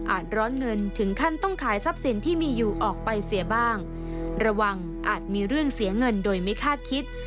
ร้อนเงินถึงขั้นต้องขายทรัพย์สินที่มีอยู่ออกไปเสียบ้างระวังอาจมีเรื่องเสียเงินโดยไม่คาดคิด